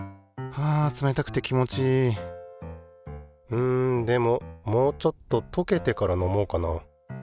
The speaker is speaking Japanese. うんでももうちょっととけてから飲もうかな。